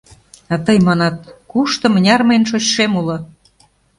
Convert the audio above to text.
А тый манат: кушто, мыняр мыйын шочшем уло!